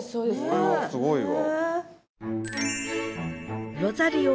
これはすごいわ。